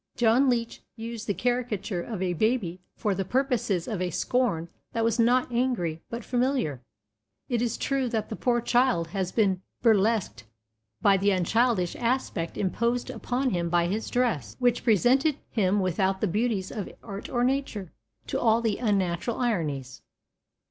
John Leech used the caricature of a baby for the purposes of a scorn that was not angry, but familiar. It is true that the poor child had first been burlesqued by the unchildish aspect imposed upon him by his dress, which presented him, without the beauties of art or nature, to all the unnatural ironies.